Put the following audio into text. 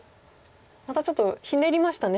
またちょっとひねりましたね。